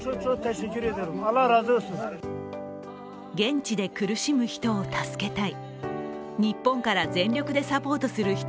現地で苦しむ人を助けたい。